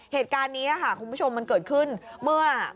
เหตุการณ์นี้ค่ะคุณผู้ชมมันเกิดขึ้นเมื่อ